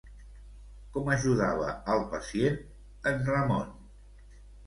Com ajudava al pacient en Ramon?